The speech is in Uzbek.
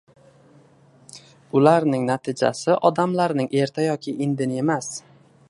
Ularning natijasi odamlarning erta yoki indini emas.